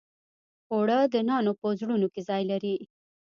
اوړه د نانو په زړونو کې ځای لري